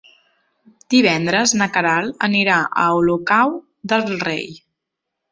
Divendres na Queralt anirà a Olocau del Rei.